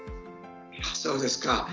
そうですか。